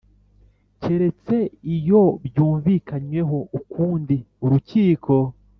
Keretse iyo byumvikanyweho ukundi urukiko